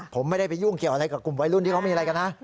ผมไม่ได้ไปยุ่งเกี่ยวอะไรกับกลุ่มวัยรุ่นที่เขามีอะไรกันนะ